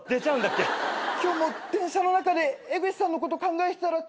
今日も電車の中で江口さんのこと考えてたらつい。